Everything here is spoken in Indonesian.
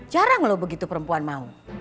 jarang loh begitu perempuan mau